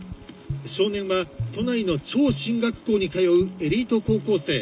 少年は都内の超進学校に通うエリート高校生。